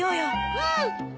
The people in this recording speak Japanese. うん。